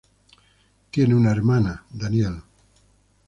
Tiene una hermana, Danielle.